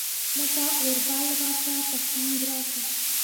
لکه اوربل راسه ، پۀ څنګ راسه